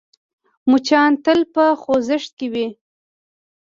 مچان تل په خوځښت کې وي